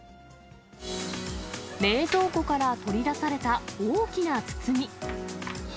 冷蔵庫から取り出された大きな包み。